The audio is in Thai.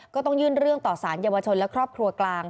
ก็ต้องยื่นเรื่องต่อสารเยาวชนและครอบครัวกลาง